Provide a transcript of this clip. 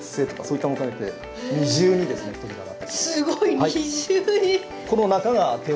すごい。